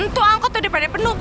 tuh angkot udah pada penuh